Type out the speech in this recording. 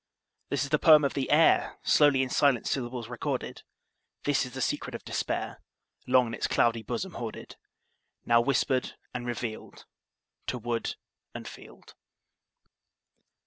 This is the poem of the air, Slowly in silent syllables recorded; This is the secret of despair, Long in its cloudy bosom hoarded, Now whispered and revealed To wood and field.